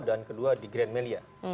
dan kedua di grand melia